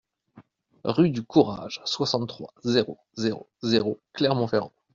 Rue du Courage, soixante-trois, zéro zéro zéro Clermont-Ferrand